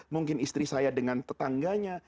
mungkin istri saya dengan tetangganya